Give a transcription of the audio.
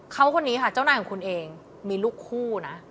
เขาคนนี้ค่ะเจ้านายของคุณเองมีลูกคู่นะ